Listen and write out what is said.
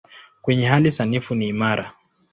Kwenye hali sanifu ni imara.